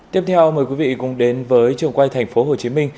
tiếp theo mời quý vị cùng đến với trường quay tp hcm